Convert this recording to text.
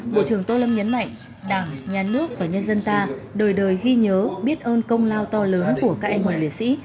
bộ trưởng tô lâm nhấn mạnh đảng nhà nước và nhân dân ta đời đời ghi nhớ biết ơn công lao to lớn của các anh hùng liệt sĩ